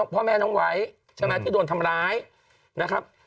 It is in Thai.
พ่อแม่น้องไว้ใช่ไหมที่โดนทำร้ายนะครับ